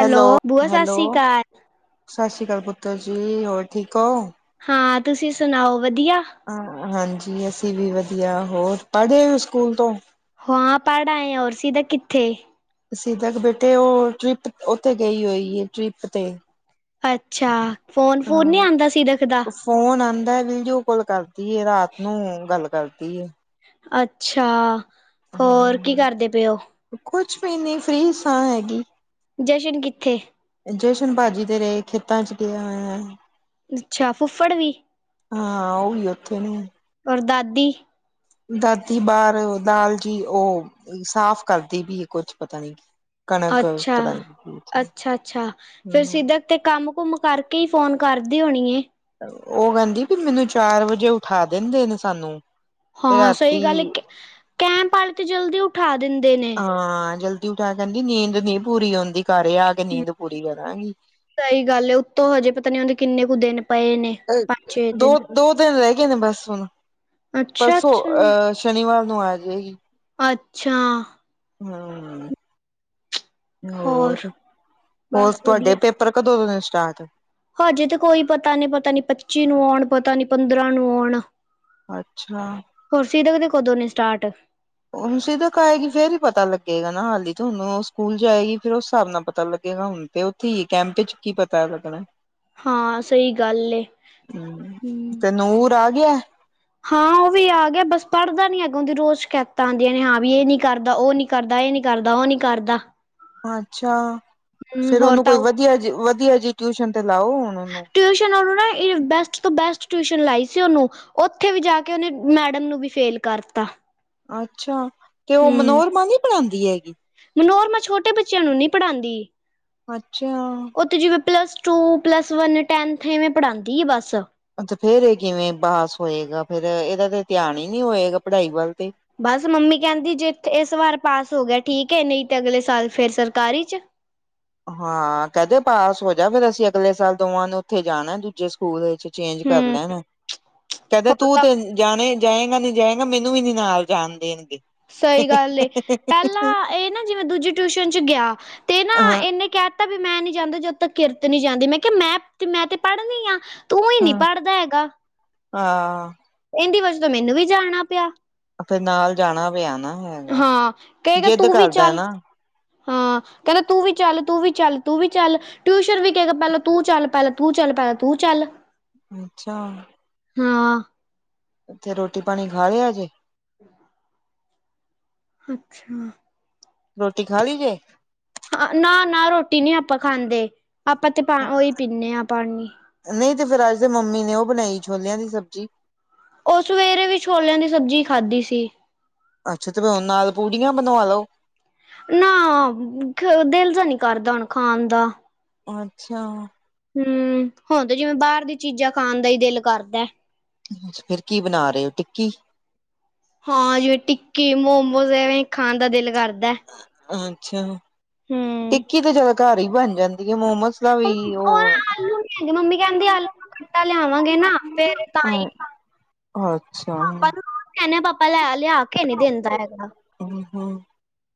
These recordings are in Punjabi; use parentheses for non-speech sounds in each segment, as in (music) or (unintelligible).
ਹੈਲੋ ਬੂਆ ਸਤਿ ਹੈਲੋ ਸ੍ਰੀ ਅਕਾਲ ਸਤਿ ਸ਼੍ਰੀ ਅਕਾਲ ਪੁੱਤਰ ਜੀ ਹੋਰ ਠੀਕ ਹੋ। ਹਾਂ ਤੁਸੀਂ ਸੁਣਾਓ ਵਧੀਆ ਹਾਂਜੀ ਅਸੀਂ ਵੀ ਵਧੀਆ ਹੋਰ ਪੜ੍ਹੇ ਹੋ ਸਕੂਲ ਤੋਂ ਹਾਂ ਪੜ੍ਹ ਆਏ ਹੋ ਔਰ ਸਿਦਕ ਕਿੱਥੇ ਸਿਦਕ ਬੇਟੇ ਉਹ ਟ੍ਰਿਪ ਉੱਥੇ ਗਈ ਹੋਈ ਹੈ ਟ੍ਰਿਪ ਤੇ ਅੱਛਾ ਫੋਨ ਫੁਨ ਨਹੀਂ ਹਾਂ ਆਂਦਾ ਸਿਦਕ ਦਾ ਫੋਨ ਆਂਦਾ ਵੀਡੀਓ ਕਾਲ ਕਰਦੀ ਰਾਤ ਨੂੰ ਗੱਲ ਕਰਦੀ ਏ। ਅੱਛਾ ਹੋਰ ਕੀ ਕਰਦੇ ਪਏ ਹੋ ਕੁਛ ਵੀ ਨੀ ਫਰੀ ਸਾਂ ਹੈਗੀ। ਜਸ਼ਨ ਕਿੱਥੇ ਜਸ਼ਨ ਭਾਜੀ ਤੇਰੇ ਖੇਤਾਂ 'ਚ ਗਿਆ ਹੋਇਆ। ਅੱਛਾ ਫੁੱਫੜ ਵੀ ਹਾਂ ਉਹ ਵੀ ਉੱਥੇ ਨੇ। ਔਰ ਦਾਦੀ ਦਾਦੀ ਬਾਹਾਰ ਦਾਲ ਜੀ ਉਹ ਸਾਫ਼ ਕਰਦੀ ਵੀ ਕੁੱਝ ਪਤਾ ਨੀ। ਕਣਕ ਅੱਛਾ ਪਤਾ ਨੀ ਅੱਛਾ, ਅੱਛਾ ਫਿਰ ਹਮ ਸਿੱਧਾ। ਤੇ ਕੰਮ ਕੁਮ ਕਰਕੇ ਹੀ ਫੋਨ ਕਰਦੀ ਹੋਣੀ। ਉਹ ਕਹਿੰਦੀ ਵੀ ਮੈਨੂੰ ਚਾਰ ਵਜੇ ਉਠਾ ਦੇਂਦੇ ਨੇ ਸਾਨੂੰ। ਤੇ ਹਾਂ, ਸਹੀ ਰਾਤੀ ਗੱਲ ਕੈਂਪ ਆਲੇ ਤੇ ਜਲਦੀ ਉਠਾ ਦਿੰਦੇ ਨੇ। ਹਾਂ, ਜਲਦੀ ਉਠਾ ਕੇਹਿੰਦੀ ਨੀਂਦ ਨੀ ਪੂਰੀ ਹੁੰਦੀ ਘਰ ਆ ਕੇ ਨੀਂਦ ਪੂਰੀ ਕਰਾਂਗੀ। ਸਹੀ ਗੱਲ ਹੈ ਉੱਤੋਂ ਹਜੇ ਪਤਾ ਨੀ ਹੁੰਦੀ ਕਿੰਨੇ ਕੁ ਦਿਨ ਪਏ ਨੇ। ਪੰਜ ਛੇ ਦੋ ਦਿਨ -ਦੋ ਦਿਨ ਰਹਿ ਗਏ ਨੇ ਬਸ ਹੁਣ ਪਰਸੋਂ ਅੱਛਾ-ਅੱਛਾ, ਅੱਛਾ ਅਹ ਸ਼ਨੀਵਾਰ ਨੂੰ ਆ ਜਾ ਏਗੀ। ਅੱਛਾ, ਹੂੰ, ਹੋਰ ਹੋਰ ਬਸ ਤੁਹਾਡੇ ਵਧੀਆ। ਪੇਪਰ ਕਦੋ ਦੇ ਨੇ ਸਟਾਰਟ। ਹਜੇ ਤੇ ਕੋਈ ਪਤਾ ਨਹੀਂ ਪਤਾ ਨੀ ਪੱਚੀ ਨੂੰ ਆਉਣ ਪਤਾ ਨੀ ਪੰਦਰਾਂ ਨੂੰ ਆਉਣ। ਅੱਛਾ, ਹੋਰ ਸੀਰਤ ਦੇ ਕਦੋਂ ਨੇ ਸਟਾਰਟ। ਹੁਣ ਸਕੂਲ ਤੱਕ ਆਏਗੀ ਫੇਰ ਹੀ ਪਤਾ ਲੱਗੇਗਾ ਨਾ ਹਾਲੀ ਤਾਂ ਉਹਨੂੰ ਸਕੂਲ ਜਾਏਗੀ ਫੇਰ ਉਸ ਹਿਸਾਬ ਨਾਲ ਪਤਾ ਲੱਗੇਗਾ ਹੁਣ ਤੇ ਉੱਥੇ ਹੀ ਕੈਂਪ ਚ ਕੀ ਪਤਾ ਲੱਗਣਾ। ਹਾਂ ਸਹੀ ਗੱਲ ਏ ਹੂੰ। ਤੇ ਨੂਰ ਆ ਗਿਆ। ਹਾਂ ਉਹ ਵੀ ਆ ਗਿਆ ਬਸ ਪੜ੍ਹਦਾ ਨੀ ਹੈਗਾ ਉਹਦੀ ਰੋਜ਼ ਸ਼ਿਕਾਇਤਾਂ ਆਂਦੀਆਂ ਨੇ ਹਾਂ ਵੀ ਇਹ ਨੀ ਕਰਦਾ ਉਹ ਨੀ ਕਰਦਾ ਇਹ ਨੀ ਕਰਦਾ ਉਹ ਨੀ ਕਰਦਾ। ਅੱਛਾ, ਹੂੰ ਫਿਰ ਹੋਰ ਉਹਨੂੰ ਤਾਂ ਕੋਈ ਵਧੀਆ ਜੀ-ਵਧੀਆ ਜੀ ਟਿਊਸ਼ਨ ਤੇ ਲਾਓ ਹੁਣ। ਉਹਨੂੰ ਟਿਊਸ਼ਨ ਉਹਨੂੰ ਨਾ ਇਹ ਬੈਸ ਸਭ ਤੋਂ ਬੈਸਟ ਟਿਊਸ਼ਨ ਲਾਈ ਸੀ ਓਹਨੂੰ, ਉੱਥੇ ਵੀ ਜਾ ਕੇ ਉਹਨੇ ਮੈਡਮ ਨੂੰ ਵੀ ਫੇਲ ਕਰਤਾ। ਅੱਛਾ, ਤੇ ਓ ਹੂੰ ਮਨੋਰਮਾ ਨੀ ਪੜਾਂਦੀ ਹੈਗੀ? ਮਨੋਰਮਾ ਛੋਟੇ ਬੱਚਿਆਂ ਨੂੰ ਨੀਂ ਪੜ੍ਹਾਦੀ। ਅੱਛਿਆ। ਉਹ ਤੇ ਜਿਵੇਂ plus two, plus one, tenth ਇਵੇਂ ਪੜ੍ਹਾਂਦੀ ਏ ਬਸ। ਅ ਤੇ ਫੇਰ ਇਹ ਕਿਵੇਂ ਪਾਸ ਹੋਏਗਾ ਫੇਰ ਇਹਦਾ ਤੇ ਧਿਆਨ ਈ ਨਹੀਂ ਹੋਏਗਾ ਪੜ੍ਹਾਈ ਵੱਲ ਤੇ। ਬਸ ਮੰਮੀ ਕਹਿੰਦੀ ਜੇ ਇੱਥੇ ਇਸ ਵਾਰ ਪਾਸ ਹੋ ਗਿਆ ਠੀਕ ਐ ਨਹੀਂ ਤੇ ਅਗਲੇ ਸਾਲ ਫੇਰ ਸਰਕਾਰੀ ਚ। ਹਾਂ, ਕਹਿ ਦੇ ਪਾਸ ਹੋ ਜਾ ਫੇਰ ਅਸੀਂ ਅਗਲੇ ਸਾਲ ਦੋਵਾਂ ਨੇ ਉੱਥੇ ਜਾਣਾ ਦੂਜੇ ਸਕੂਲ ਵਿੱਚ। ਚੇਂਜ ਕਰ ਹੂੰ। ਲੈਣਾ, ਕਹਿਦੇ ਹੋਰ ਤੂੰ ਤਾਂ ਤੇ ਜਾਣੇ ਜਾਏਗਾ ਨਈਂ ਜਾਏਗਾ ਮੈਨੂੰ ਵੀ ਨੀ ਨਾਲ ਜਾਣ ਦੇਣਗੇ। ਸਹੀ ਗੱਲ ਏ, ਪਹਿਲਾਂ ਇਹ ਨਾ ਜਿਵੇਂ ਦੂਜੀ ਟਿਊਸ਼ਨ ਚ ਗਿਆ, ਤੇ ਨਾ ਹਾਂ ਇਹਨੇ ਕਹਿ ਤੇ ਵੀ ਮੈਂ ਨੀ ਜਾਂਦਾ ਜਦੋਂ ਤੱਕ ਕਿਰਤ ਨੀ ਜਾਂਦੀ ਮੈਂ ਕਿਹਾ ਮੈਂ, ਮੈਂ ਤੇ ਪੜ੍ਹ ਰਹੀ ਆ। ਤੂੰ ਈ ਨੀਂ ਹਾਂ ਪੜ੍ਹਦਾ ਹੈਗਾ। ਹਾਂ। ਇਹਦੀ ਵਜਾ ਤੋਂ ਮੈਨੂੰ ਵੀ ਜਾਣਾ ਪਿਆ। ਅ ਫ਼ੇਰ ਨਾਲ ਜਾਣਾ ਪਿਆ ਨਾ। ਹੈਗਾ ਹਾਂ, ਕਹੇਗਾ ਜਿੱਦ ਤੂੰ ਵੀ ਕਰਦਾ ਚੱਲ। ਨਾ ਹਾਂ, ਕਹਿੰਦਾ ਤੂੰ ਵੀ ਚੱਲ-ਤੂੰ ਵੀ ਚੱਲ-ਤੂੰ ਵੀ ਚੱਲ। ਟਿਊਸ਼ਨ ਵੀ ਕਹੇਗਾ ਪਹਿਲਾ ਤੂੰ ਚੱਲ ਪਹਿਲਾ ਤੂੰ ਚੱਲ ਪਹਿਲਾ ਤੂੰ ਚੱਲ। ਅੱਛਾ। ਹਾਂ। ਤੇ ਰੋਟੀ-ਪਾਣੀ ਖਾ ਲਿਆ ਜੇ? ਅੱਛਾ। ਰੋਟੀ ਖਾ ਲਈ ਜੇ? ਹਾਂ, ਨਾ-ਨਾ ਰੋਟੀ ਨੀ ਆਪਾਂ ਖਾਂਦੇ, ਆਪਾਂ ਤੇ ਪਾ ਉਹੀ ਪੀਨੇ ਆਂ ਪਾਣੀ। ਨਈਂ ਤੇ ਫਿਰ ਅੱਜ ਦੇ ਮੰਮੀ ਨੇ ਉਹ ਬਣਾਈ, ਛੋਲਿਆਂ ਦੀ ਸਬਜ਼ੀ। ਉਹ ਸਵੇਰੇ ਵੀ ਛੋਲਿਆਂ ਦੀ ਸਬਜ਼ੀ ਖਾਧੀ ਸੀ। ਅੱਛਾ ਤੇ ਹੁਣ ਨਾਲ ਪੂੜੀਆਂ ਬਣਾ ਲੋ। ਨਾ, ਦਿਲ ਜਾ ਨੀਂ ਕਰਦਾ ਹੁਣ ਖਾਣ ਦਾ। ਅੱਛਾ। ਹੂੰ, ਹੁਣ ਤੇ ਜਿਵੇਂ ਬਾਹਰ ਦੀ ਚੀਜ਼ਾਂ ਖਾਣ ਦਾ ਈ ਦਿਲ ਕਰਦਾ। ਫੇਰ ਕੀ ਬਣਾ ਰਹੇ ਓ ਟਿੱਕੀ? ਹਾਂ, ਜਿਵੇਂ ਟਿੱਕੀ, ਮੋਮੋਸ ਐਵੇਂ ਖਾਣ ਦਾ ਦਿਲ ਕਰਦਾ। ਅ-ਅੱਛਾ, ਹਮ ਟਿੱਕੀ ਤਾਂ ਜਿਆਦਾ ਘਰ ਹੀ ਬਣ ਜਾਂਦੀ ਆ ਮੋਮੋਸ ਦਾ ਊ, ਵੀ ਉਹ ਨਾ ਆਲੂ ਨੀ ਹੈਗੇ, ਮੰਮੀ ਕਹਿੰਦੀ ਆਲੂ ਦਾ ਆਟਾ ਲਿਆਵਾਂਗੇ ਨਾ, ਫੇਰ ਤਾਂ ਈ। ਅੱਛਾ। ਪਾਪਾ ਨੂੰ, ਕਹਿੰਨੇ ਪਾਪਾ ਲੈ-ਲਿਆ ਕੇ ਨੀਂ ਦਿੰਦਾ ਹੈਗਾ। ਹੂੰ-ਹੂੰ,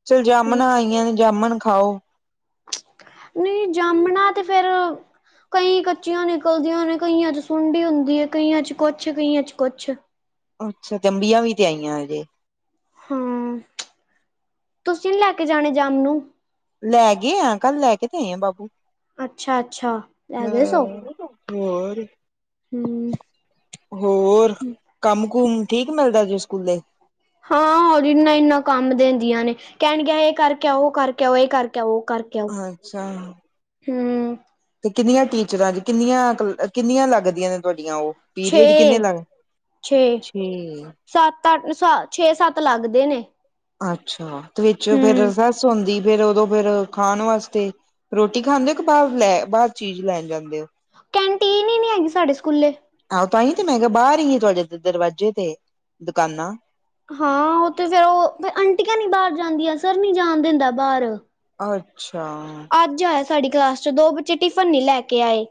ਚਲ ਹਮ ਜਾਮਣਾ ਆਈਆਂ ਨੇ ਜਾਮਣ ਖਾਓ। ਨਈਂ ਜਾਮਣਾ ਤੇ ਫੇਰ ਕਈ ਕੱਚੀਆਂ ਨਿਕਲਦੀਆਂ ਨੇ, ਕਈਆਂ ਚ ਸੁੰਡੀ ਹੁੰਦੀ ਐ, ਕਈਆਂ ਚ' ਕੁੱਛ, ਕਈਆਂ ਚ' ਕੁੱਛ। ਅੱਛਾ, ਤੇ ਅੰਬੀਆਂ ਵੀ ਤੇ ਆਈਆਂ ਹਜੇ। ਹਾਂ, ਤੁਸੀਂ ਨੀ ਲੈ ਕੇ ਜਾਣੇ ਜਾਮਨੂੰ? ਲੈ ਗਏ ਆ ਕੱਲ ਲੈ ਕੇ ਤੇ ਆਏ ਆ ਬਾਬੂ। ਅੱਛਾ-ਅੱਛਾ, ਲੈ ਹਾਂ ਗਏ ਸੌ। ਹੋਰ। ਹੂੰ। ਹੋਰ, ਕੰਮ-ਕੁਮ ਠੀਕ ਮਿਲਦਾ ਜੇ ਸਕੂਲੇ? ਹਾਂ ਉਹ ਇੰਨਾ-ਇੰਨਾ ਕੰਮ ਦਿੰਦੀਆਂ ਨੇ, ਕਹਿਣਗੀਆ ਇਹ ਕਰਕੇ ਆਓ, ਉਹ ਕਰਕੇ ਆਓ, ਇਹ ਕਰਕੇ ਆ-ਉਹ ਕਰ ਅੱਛਾ। ਹੂੰ। ਤੇ ਕਿੰਨੀਆਂ ਟੀਚਰਾਂ ਜੀ ਕਿੰਨੀਆਂ, ਕਿੰਨੀਆਂ ਲੱਗਦੀਆਂ ਨੇ ਤੁਹਾਡੀਆਂ ਓ। ਛੇ ਪੀਰੀਅਡ ਕਿੰਨੇ ਲਗ, ਛੇ। ਸੱਤ-ਅੱਠ ਸਾ, ਛੇ-ਸੱਤ ਲੱਗਦੇ ਨੇ। ਅੱਛਾ, ਤੇ ਵਿੱਚ ਫੇਰ ਹੂੰ ਰਸੈਸ ਹੁੰਦੀ ਫੇਰ ਉਦੋਂ ਫੇਰ ਖਾਣ ਵਾਸਤੇ, ਰੋਟੀ ਖਾਂਦੇ ਓ ਕਿ ਬਾਹਰ ਲੈ, ਬਾਹਰ ਚੀਜ਼ ਲੈਣ ਜਾਂਦੇ ਓ? ਕੈਂਟੀਨ ਈ ਨੀਂ ਹੈਗੀ ਸਾਡੇ ਸਕੂਲੇ। ਆਹੋ ਤਾਂਈ ਤੇ ਮੈਂ ਕਿਹਾ ਬਾਹਰ ਈ, ਤੁਹਾਡੇ ਦ-ਦਰਵਾਜ਼ੇ ਤੇ, ਦੁਕਾਨਾਂ। ਹਾਂ ਉਹ ਤੇ ਫੇਰ ਉਹ ਫ, ਆਂਟੀਆਂ ਨੀ ਬਾਹਰ ਜਾਂਦੀਆਂ ਸਰ ਨੀ ਜਾਣ ਦਿੰਦਾ ਬਾਹਰ। ਅੱਛਾ। ਅੱਜ ਆਇਆ ਸਾਡੀ ਕਲਾਸ ਚ ਦੋ ਬੱਚੇ ਟਿਫਨ ਨੀ ਲੈ ਕੇ ਆਏ,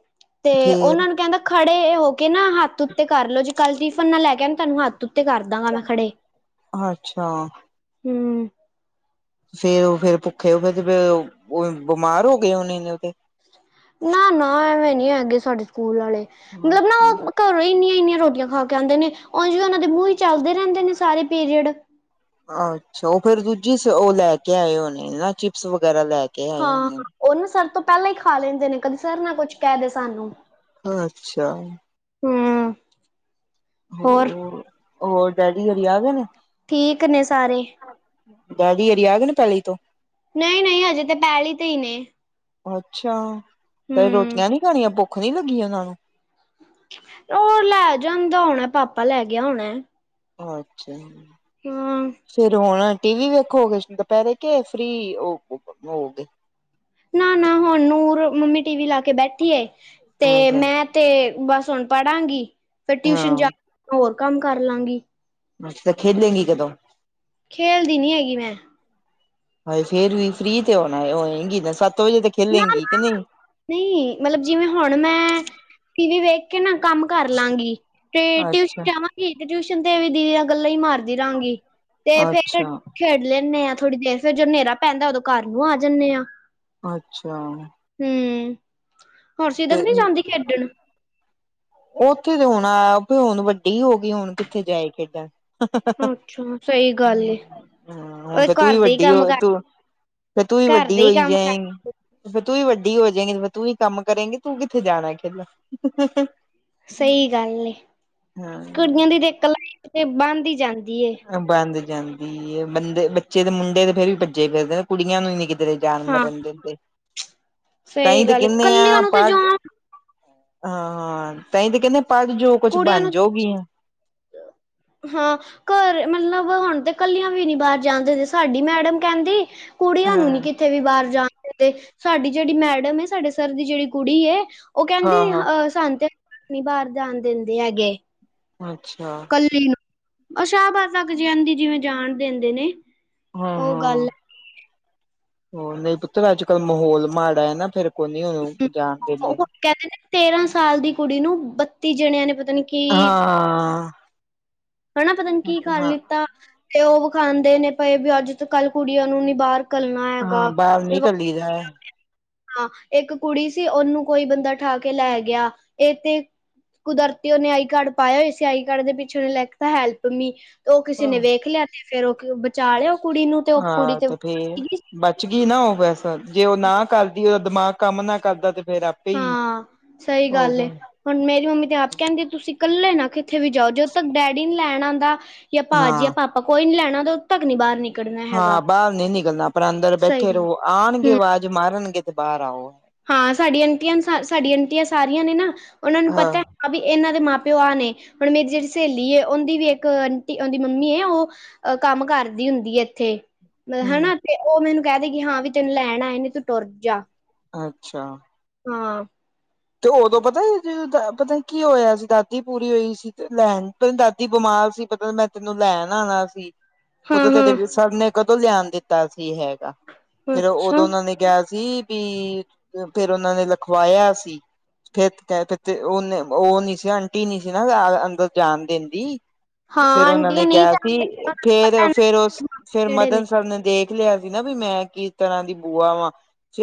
ਤੇ ਫੇਰ ਉਹਨਾਂ ਨੂੰ ਕਹਿੰਦਾ ਖੜੇ ਹੋ ਕਹਿਣਾ ਹੱਥ ਉੱਤੇ ਕਰ ਲੋ ਜੇ ਕੱਲ ਟਿਫਨ ਨਾ ਲੈ ਕੇ ਆਏ ਤੁਹਾਨੂੰ ਹੱਥ ਉੱਤੇ ਕਰ ਕਰਦਾਂਗਾ ਮੈਂ ਖੜੇ, ਅੱਛਾ ਹੂੰ। ਫੇਰ ਉਹ ਫੇਰ ਭੁੱਖੇ ਉਹ ਹੋ ਜਿਵੇਂ ਓ, ਉਹ ਬਿਮਾਰ ਹੋ ਗਏ ਹੋਣੇ ਨੇ ਓ ਤੇ। ਨਾ-ਨਾ ਐਵੇਂ ਨੀ ਹੈਗੇ ਸਾਡੇ ਸਕੂਲ ਆਲੇ, ਮਤਲਬ ਨਾ ਅੱਛਾ ਉਹ ਘਰੋਂ ਈ ਇੰਨੀਆਂ-ਇੰਨੀਆਂ ਰੋਟੀਆਂ ਖਾ ਕੇ ਆਉਂਦੇ ਨੇ, ਉਂਝ ਵੀ ਉਹਨਾਂ ਦੇ ਮੂੰਹ ਈ ਚੱਲਦੇ ਰਹਿੰਦੇ ਨੇ ਸਾਰੇ ਪੀਰੀਅਡ। ਅੱਛਾ ਉਹ ਫੇਰ ਦੂਜੀ ਉਹ ਲੈ ਕੇ ਆਏ ਹੋਣੇ ਨਾ ਚਿਪਸ ਵਗੈਰਾ ਲੈ ਕੇ ਆਏ ਹਾਂ, ਹੋਣੇ ਉਹ ਨਾ ਸਰ ਤੋਂ ਪਹਿਲਾਂ ਈ ਖਾ ਲੈਂਦੇ ਨੇ, ਕਦੇ ਸਰ ਨਾ ਕੁਛ ਕਹਿ ਦੇ ਸਾਨੂੰ। ਅੱਛਾ। ਹੂੰ। ਹੋਰ, ਹੋਰ ਡੈਡੀ ਹੋਰੀ ਆ ਗਏ ਨੇ? ਠੀਕ ਨੇ ਸਾਰੇ। ਦਾਦੀ ਹੋਰੀ ਆ ਗਏ ਨੇ ਪੈਲੀ ਤੋਂ। ਨਈਂ-ਨਈਂ ਹਜੇ ਤਾਂ ਪੈਲ਼ੀ ਤੇ ਈ ਨੇ। ਅੱਛਾ, ਤੇ ਹੂੰ ਰੋਟੀਆਂ ਨੀ ਖਾਣੀਆਂ ਭੁੱਖ ਨੀ ਲੱਗੀ ਉਹਨਾਂ ਨੂੰ। ਉਹ ਲੈ ਜਾਂਦਾ ਹੋਣਾ ਪਾਪਾ ਲੈ ਗਿਆ ਹੋਣਾ। ਅੱਛਾ, ਹਾਂ ਫੇਰ ਹੁਣ ਟੀ ਵੀ ਵੇਖੋਗੇ, ਦੁਪਹਿਰੇ ਕੇ ਫ੍ਰਰੀ ਹੋ-ਹੋ ਗੇ। ਨਾ-ਨਾ ਹੁਣ ਨੂਰ ਮੰਮੀ ਟੀ ਵੀ ਲਾ ਕੇ ਬੈਠੀ ਏ ਤੇ, ਅੱਛਾ ਮੈਂ ਤੇ ਬਸ ਹੁਣ ਪੜਾਂਗੀ, ਫੇਰ ਟਿਊਸ਼ਨ ਹਾਂ ਜਾ, ਹੋਰ ਕੰਮ ਕਰ ਲਾਂਗੀ। ਅੱਛਾ ਖੇਲੇਗੀ ਕਦੋਂ? ਖੇਲਦੀ ਨੀ ਹੈਗੀ ਮੈਂ। ਹਾਏ ਫੇਰ ਵੀ ਫ੍ਰਰੀ ਤੇ ਹੁਣ ਹੋਏਗੀ ਨਾ ਸੱਤ ਵਜੇ ਤੇ ਖੇਲੇਗੀ ਕਿ ਨਈ? ਫਰੀ ਮਤਲਬ ਜਿਵੇਂ ਹੁਣ ਮੈਂ ਟੀ ਵੀ ਵੇਖ ਕੇ ਨਾ ਕੰਮ ਕਰ ਲਾਂਗੀ, ਤੇ ਟਿਊਸ਼ਨ ਅੱਛਾ ਜਾਵਾਂ ਤੇ ਟਿਊਸ਼ਨ ਤੇ ਵੀ ਦੀਦੀ ਨਾਲ ਗੱਲਾਂ ਈ ਮਾਰਦੀ ਰਹਾਂਗੀ ਤੇ ਫੇਰ ਅੱਛਾ ਖੇਡ ਲੈਂਨੇ ਆਂ ਥੋੜੀ ਦੇਰ ਫੇਰ ਜਦੋਂ ਨੇਰਾ ਪੈਂਦਾ ਉਦੋਂ ਘਰ ਨੂੰ ਆ ਜਾਂਦੇ ਆਂ। ਅੱਛਾ। ਹੂੰ, ਹੋਰ ਸਿਦਕ ਤੇ ਨੀਂ ਜਾਂਦੀ ਖੇਡਣ? ਉੱਥੇ ਤੇ ਹੁਣ ਆ ਉਹ ਤੇ ਹੁਣ ਵੱਡੀ ਹੋ ਗਈ ਹੁਣ ਕਿੱਥੇ ਜਾਏ ਖੇਡਣ। ਅੱਛਾ ਸਹੀ ਗੱਲ ਏ। ਹੂੰ, ਹੁਣ ਉਹ ਤੇ ਤੂੰ ਵੀ ਘਰ ਦੇ ਹੀ ਵੱਡੀ ਹੋ, ਕੰਮ ਕਰ ਤੂੰ ਫੇਰ ਤੂੰ ਵੀ ਘਰ ਵੱਡੀ ਦੇ ਹੀ ਹੋਈ ਕੰਮ ਜਾਏਗੀ। ਕਰ ਅ ਫ਼ੇਰ ਤੂੰ ਵੀ ਵੱਡੀ ਹੋ ਜਾਏਗੀ, ਤੂੰ ਵੀ ਕੰਮ ਕਰੇਗੀ, ਤੂੰ ਕਿੱਥੇ ਜਾਣਾ ਖੇਲਣ। ਸਹੀ ਗੱਲ ਏ, ਕੁੜੀਆਂ ਹਾਂ ਦੀ ਇੱਕ ਲਾਈਫ਼ ਤੇ ਬੰਦ ਈ ਜਾਂਦੀ ਏ ਬੰਦ ਜਾਂਦੀ ਐ ਬੰਦੇ, ਬੱਚੇ ਦੇ ਮੁੰਡੇ ਤੇ ਫੇਰ ਵੀ ਭੱਜੇ ਫਿਰਦੇ ਕੁੜੀਆਂ ਨੂੰ ਈ ਨੀ ਕਿਧਰੇ ਜਾਣ ਹਾਂ ਮਰਨ ਦਿੰਦੇ, ਤਾਂਈ ਸਹੀ ਤੇ ਗੱਲ ਏ। ਕਹਿਣੇ ਕੱਲੀਆਂ ਆ ਨੂੰ ਤੇ ਪੜ੍ਹ ਜਾਣ ਹਾਂ-ਹਾਂ ਤਾਈਂ ਤੇ ਕਹਿੰਦੇ ਆ ਪੜ੍ਹ ਜੋ ਕੁਛ ਕੁੜੀਆਂ ਬਣ ਨੂੰ ਜੋਗੀ ਆ। ਹਾਂ। ਘਰ ਮਤਲਬ ਹੁਣ ਤੇ ਕੱਲੀਆਂ ਵੀ ਨੀ ਬਾਹਰ ਜਾਂਦੇ ਸਾਡੀ ਮੈਡਮ ਕਹਿੰਦੀ ਕੁੜੀਆਂ ਨੂੰ ਨੀ ਹਾਂ ਕਿਥੇ ਵੀ ਬਾਹਰ ਜਾਣ ਦਿੰਦੇ। ਸਾਡੀ ਜਿਹੜੀ ਮੈਡਮ ਹੈ ਸਾਡੇ ਸਰ ਦੀ ਜਿਹੜੀ ਕੁੜੀ ਹੈ। ਉਹ ਹਾਂ ਕਹਿੰਦੀ ਹਾਂ ਅਹ, ਸਾਨੂੰ ਤੇ ਨਹੀਂ ਬਾਹਰ ਜਾਣ ਦਿੰਦੇ ਹੈਗੇ। ਅੱਛਾ। ਕੱਲੀ ਨੂੰ ਉਹ ਸ਼ਾਹਬਾਦ ਜਦੀ ਜਿਵੇਂ ਜਾਣ ਦਿੰਦੇ ਨੇ। ਹਾਂ- ਉਹ ਗੱਲ ਹਾਂ। ਨਹੀਂ ਪੁੱਤਰ, ਅੱਜ ਕੱਲ੍ਹ ਮਾਹੌਲ ਮਾੜਾ ਹੈ ਨਾ। ਫੇਰ ਕੋ ਨਹੀ ਹੈ ਉਹਨੂੰ ਜਾਣ ਉਹ ਦਿੰਦੇ। ਕਹਿੰਦੇ ਨੇ ਤੇਰਾਂ ਸਾਲ ਦੀ ਕੁੜੀ ਨੂੰ ਬੱਤੀ ਜਣਿਆਂ ਨੇ ਪਤਾ ਨੀ ਕੀ ਹਾਂ। ਹਨਾ। ਪਤਾ ਨ ਕੀ ਕਰਾ ਹਾਂ ਲਿੱਤਾ। ਤੇ ਉਹ ਵਿਖਾਂਦੇ ਨੇ ਪਏ ਵੀ ਅੱਜ ਤੋਂ ਕੱਲ ਕੁੜੀਆਂ ਨੂੰ ਨੀ ਬਾਹਰ ਘਲਣਾ ਹਾਂ ਹੈਗਾ। ਬਾਹਰ ਨਿਕਲੀ ਦਾ ਹਾਂ। ਇੱਕ ਕੁੜੀ ਸੀ ਉਹਨੂੰ ਕੋਈ ਬੰਦਾ ਉਠਾ ਕੇ ਲੈ ਗਿਆ। ਇਹ ਤੇ ਕੁਦਰਤੀ ਉਹੇ ਆਈ ਕਾਰਡ ਪਾਇਆ। ਇਸੇ ਆਈ ਕਾਰਡ ਦੇ ਪਿੱਛੇੇ ਲੈ ਹੈਲਪ ਮੀ ਤੇ ਉਹ ਕਿਸੇ ਨੇ ਵੇਖ ਲਿਆ। ਤੇ ਫੇਰ ਉਹ ਬਚਾ ਲਿਆ ਓ ਕੁੜੀ ਨੂੰ ਤੇ ਉਹ ਕੁੜੀ ਤੇ ਕਿ ਨਾ ਉਹ ਵੈਸਾ। ਜੇ ਉਹ ਨਾ ਕਰਦੀ, ਉਹਦਾ ਦਿਮਾਗ ਕੰਮ ਨਾ ਕਰਦਾ। ਤੇ ਫੇਰ ਕਈ ਹਾਂ ਸਹੀ ਹੋ ਗੱਲ ਏ ਗਏ। ਹੁਣ, ਮੇਰੀ ਮੰਮੀ ਤੇ ਆਪ ਕਹਿੰਦੇ ਤੁਸੀਂ ਇਕੱਲੇ ਨਾ ਕਿੱਥੇ ਵੀ ਜਾਓ। ਜਦੋਂ ਤੱਕ ਡੈਡੀ ਨਹੀਂ ਲੈਣ ਆਉਂਦਾ। ਕਿ ਆਪਾਂ ਆ ਜਾਈਏ ਹਾਂ ਪਾਪਾ ਕੋਈ ਨਹੀ ਲੈਣਾ ਆਉਦਾ ਉਦੋਂ ਤੱਕ ਨੀ ਬਾਹਰ ਨਿਕਲ ਹਾਂ, ਬਾਹਰ ਨਹੀ ਨਿਕਲਣਾ। ਆਪ ਅੰਦਰ ਸਹੀ ਬੈਠੇ ਗੱਲ ਰਹੋ ਆਉਣਗੇ ਹੂੰ ਆਵਾਜ਼ ਮਾਰਨਗੇ ਤੇ ਬਾਹਰ ਆਓ। ਹਾਂ, ਸਾਡੀਆਂ ਆਂਟੀਆਂ, ਸਾਡੀਆਂ ਆਂਟੀਆਂ ਸਾਰੀਆਂ ਨੇ ਨਾ। ਉਹਨਾਂ ਨੂੰ ਪਤਾ ਹਾਂ, ਵੀ ਇਹਨਾਂ ਦੇ ਮਾਂ- ਪਿਓ ਆ ਨੇ। ਹੁਣ ਮੇਰੀ ਜਿਹੜੀ ਸਹੇਲੀ ਉਹਦੀ ਵੀ ਇੱਕ ਆਂਟੀ ਉਹਦੀ ਮੰਮੀ ਹੈ। ਉਹ ਅਹ ਕੰਮ ਕਰਦੀ ਹੁੰਦੀ ਹੈ। ਇੱਥੇ ਹਮ ਹੈਨਾ। ਤੇ ਉਹ ਮੈਨੂੰ ਕਹਿ ਦੇਵੇਗੀ ਕਿ ਹਾਂ ਵੀ ਤੈਨੂੰ ਲੈਣ ਆਏ ਨੇ ਤੇ ਤੂੰ ਤੁਰ ਜਾ। ਅੱਛਾ। ਹਾਂ। ਤੇ ਉਦੋਂ ਪਤਾ, ਜਦੋਂ ਪਤਾ ਕੀ ਹੋਇਆ ਸੀ ਦਾਦੀ ਪੂਰੀ ਹੋਈ ਸੀ। ਤੇ ਲੈਣ ਤੇਰੀ ਦਾਦੀ ਬਿਮਾਰ ਸੀ। ਪਤਾ ਮੈਂ ਤੈਨੂੰ ਲੈਣ ਆਉਣਾ ਸੀ। ਹਾਂ ਉਦੋਂ ਹਾਂ ਤੇਰੇ ਸਰ ਨੇ ਕਦੋਂ ਲਿਆਣ ਦਿੱਤਾ ਸੀ ਹੈਗਾ। ਫੇਰ ਉਦੋਂ ਅੱਛਾ ਉਹਨਾਂ ਨੇ ਕਿਹਾ ਸੀ ਵੀ, ਫੇਰ ਉਹਨਾ ਨੇ ਲਿਖਵਾਇਆ ਸੀ। ਫੇਰ ਕਹ ਫਿਰ ਤੇ ਉਹਨੇ ਉਹ ਨੀ ਸੀ ਆਂਟੀ ਨੀ ਸੀ ਨਾ ਅੰਦਰ ਜਾਣ ਦੇਣ ਦੀ। ਹਾਂ ਫੇਰ ਉਹਨਾਂ ਨੇ ਆਂਟੀਆਂ ਨਹੀਂ ਕਿਹਾ ਸੀ। ਜਾਣਦੇ ਫੇਰ, ਪਤਾ ਫੇਰ ਉਸ ਫੇਰ ਮਦਨ ਸਰ ਨੇ ਦੇਖ ਦੇਖ ਲਿਆ ਸੀ ਨਾ ਵੀ ਮੈਂ ਕਿਸ ਤਰ੍ਹਾਂ ਦੀ ਬੂਆ ਵਾ।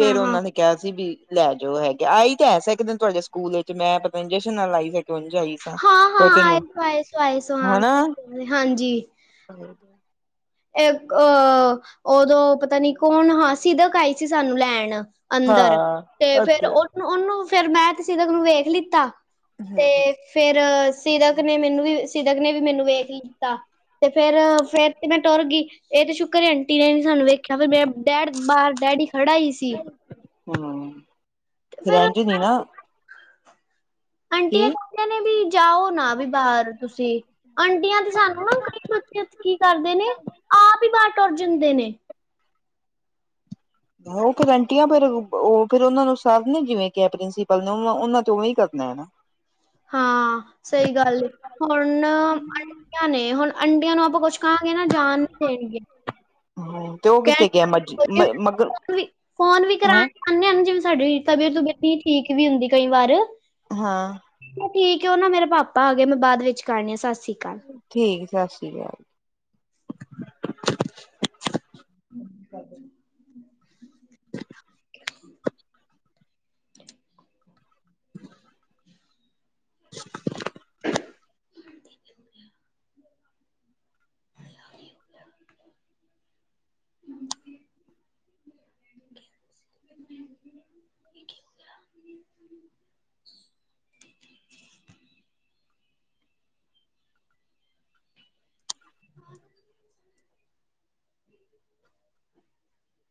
ਹਾਂ ਹਾਂ ਉਹਨਾਂ ਨੇ ਕਿਹਾ ਸੀ ਵੀ ਲੈ ਜਾਓ ਹੈਗੇ ਆਈ ਤਾਂ ਐਸ ਇੱਕ ਦਿਨ ਤੁਹਾਡੇ ਸਕੂਲ ਵਿੱਚ ਮੈਂ ਪਤਾ ਨਹੀ ਜਸ਼ਨ ਨਾਲ ਆਈ ਸੀ ਤੇ ਉਜ ਸੀ। ਹਾਂ- ਹਾਂ ਆਏ ਸੋ ਆਏ ਸੋ ਆਏ ਸੋ ਹਾਂ ਹਾਂਜੀ ਹਾਂ ਇਕ, ਉਦੋਂ ਪਤਾ ਨੀ ਕੌਣ ਹਾਂ, ਸਿਦਕ ਆਾਈ ਸੀ ਸਾਨੂੰ ਲੈਣ। ਅੰਦਰ ਹਾਂ ਤੇ ਫੇਰ ਅੱਛਾ ਉਹ ਉਹਨੂੰ ਫੇਰ ਮੈਂ ਸਿਦਕ ਨੂੰ ਵੇਖ ਲਿੱਤਾ ਤੇ ਹਮ ਫੇਰ ਸਿਦਕ ਨੇ ਮੈਨੂੰ ਵੀ ਸਿਦਕ ਨੇ ਵੀ ਮੈਨੂੰ ਵੇਖ ਲਤਾ ਤੇ ਫੇਰ-ਫੇਰ ਤੇ ਮੈਂ ਤੁਰ ਗਈ ਇਹ ਤੇ ਸ਼ੁੱਕਰ ਆਂਟੀ ਨੇ ਸਾਨੂੰ ਵੇਖਿਆ ਫਿਰ ਮੇ ਡੈਡ ਬਾਹਰ ਡੈਡੀ ਖੜਾ ਹੀ ਸੀ। ਹਾਂ ਫੇਰ ਇਂਝ ਨ ਨਾ। ਆਂਟੀ ਕੀ ਏ (unintelligible) ਨੇ ਵੀ ਜਾਓ ਨਾ ਵੀ ਬਾਹਰ ਤੁਸੀਂ ਆਂਟੀਆਂ ਤੇ ਸਾਨੂੰ ਨਾ ਕਈ 'ਚ ਕੀ ਕਰਦੇ ਨੇ ਆਪ ਹੀ ਬਾਹਰ ਤੁਰ ਜਾਂਦੇ ਨੇ। ਰੂਮ 'ਚ ਬੈਠੀ ਆਂ ਪਰ ਉਹ ਫੇਰ ਉਹ ਫੇਰ ਉਹ ਨੂੰ ਸਰ ਨੇ ਜਿਵੇਂ ਕਿ ਪ੍ਰਿੰਸੀਪਲ ਨੇ ਉਹਨਾਂ ਤੇ ਉ ਵੀ ਕਰਨਾ ਏ ਨਾ। (inaudible) ਹਾਂ ਸਹੀ ਗੱਲ ਏ। ਹੁਣ ਆਂਟੀਆਂ ਨੇ ਹੁਣ ਆਂਟੀਆਂ ਨੂੰ ਆਪਾਂ ਕੁਛ ਕਹਾਂਗੇ ਨਾ ਜਾਨ ਨੀ ਦੇਣਗੇ। ਹੂੰ ਤੇ ਉਹ ਕਿਥੇ ਕਿ ਮ-ਮ ਕਹਿਣਗੇ ਮਗਰ ਹੈਂ। ਹਾਂਜੀ-ਹਾਂਜੀ ਜਿਵੇਂ ਸਾਡੀ ਤਬੀਅਤ- ਤਬੀਅਤ ਹੀ ਠੀਕ ਵੀ ਹੁੰਦੀ ਕਈ ਵਾਰ ਹਾਂ ਆ ਠੀਕ ਉਹ ਨਾ ਮੇਰੇ ਪਾਪਾ ਆਗੇ ਮੈਂ ਬਾਅਦ ਵਿੱਚ ਕਰਨੀ ਆ ਸਤਿ ਸ੍ਰੀ ਅਕਾਲ। ਠੀਕ ਸਤਿ ਸ੍ਰੀ ਅਕਾਲ। ਹੂੰ (inaudible) (inaudible) (inaudible) ਹਾਂ